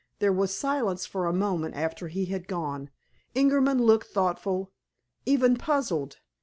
There was silence for a moment after he had gone. Ingerman looked thoughtful, even puzzled.